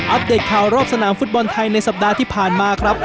เดตข่าวรอบสนามฟุตบอลไทยในสัปดาห์ที่ผ่านมาครับ